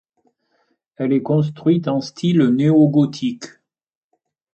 Elle est construite en style néogothique.